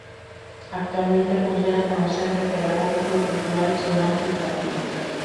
Actualmente funciona como Centro Pedagógico y Cultural Simón I. Patiño.